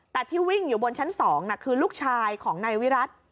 แต่ที่วิ่งอยู่บนชั้น๒คือลูกชายของนายวิรัติ